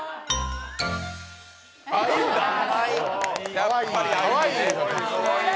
かわいい。